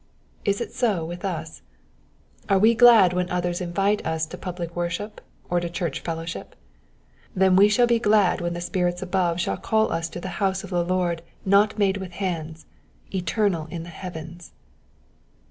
Is it so with us f Are we glad when others invite us to public worship, or to church fellowship ? Then we shall bo glad when the spirits above shall call us to the house of the Lord not made with hands, eternal in the heavens.